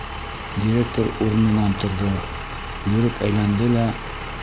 Директор урынынан торҙо, йөрөп әйләнде лә: